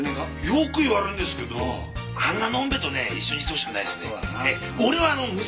よく言われるんですけどあんな飲んべえとね一緒にしてほしくないですね。